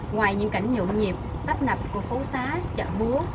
ngoài những cảnh nhộn nhịp tấp nập của phố xá chợ búa